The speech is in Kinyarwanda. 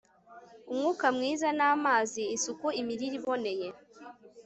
Umwuka mwiza namazi isuku imirire iboneye